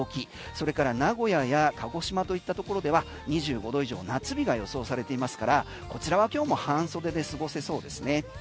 それから名古屋や鹿児島といったところでは２５度以上の夏日が予想されていますからこちらは今日も半袖で過ごせそうですね。